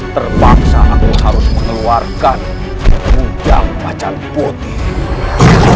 terpaksa aku harus mengeluarkan hujan pacar putih